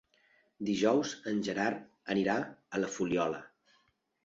Dijous en Gerard anirà a la Fuliola.